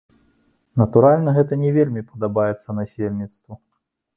Натуральна, гэта не вельмі падабаецца насельніцтву.